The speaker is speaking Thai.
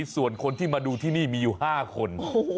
ส่วนคนที่มาดูที่นี่มีอยู่๕คน